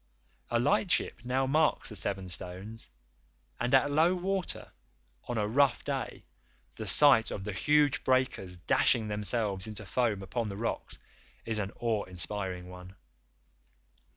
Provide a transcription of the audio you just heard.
A lightship now marks the Seven Stones, and at low water on a rough day the sight of the huge breakers dashing themselves into foam upon the rocks is an awe inspiring one.